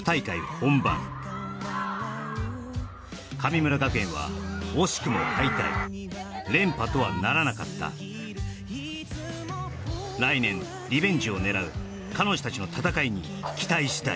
本番神村学園は惜しくも敗退連覇とはならなかった来年リベンジを狙う彼女達の戦いに期待したい